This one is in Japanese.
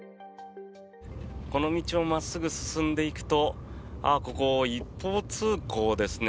この道を真っすぐ進んでいくとここ、一方通行ですね。